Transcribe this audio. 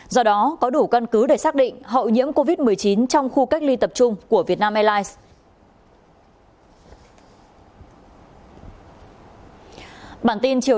do đó có đủ căn cứ để xác định hậu nhiễm covid một mươi chín trong khu cách ly tập trung của vietnam airlines